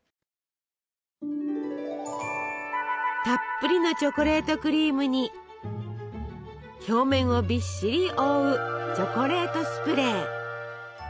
たっぷりのチョコレートクリームに表面をびっしり覆うチョコレートスプレー。